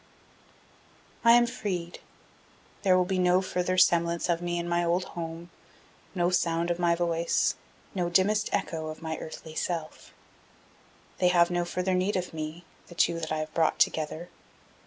I am freed. There will be no further semblance of me in my old home, no sound of my voice, no dimmest echo of my earthly self. They have no further need of me, the two that I have brought together.